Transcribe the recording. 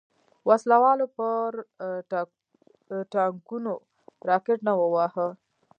وسله والو پر ټانګونو راکټ نه وواهه.